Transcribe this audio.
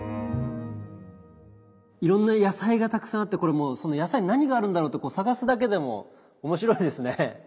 いろんな野菜がたくさんあってこれもうその野菜何があるんだろうって探すだけでも面白いですね。